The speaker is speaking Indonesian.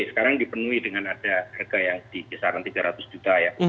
sekarang dipenuhi dengan ada harga yang di kisaran tiga ratus juta ya